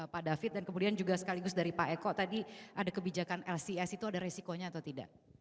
pak david dan kemudian juga sekaligus dari pak eko tadi ada kebijakan lcs itu ada resikonya atau tidak